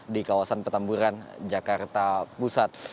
di kawasan petamburan jakarta pusat